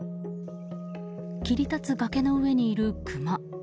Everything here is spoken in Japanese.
切り立つ崖の上にいるクマ。